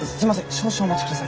少々お待ちください。